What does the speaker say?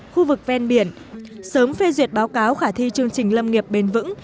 khu vực ven biển sớm phê duyệt báo cáo khả thi chương trình lâm nghiệp bền vững